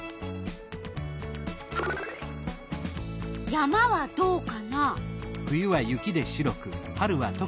山はどうかな？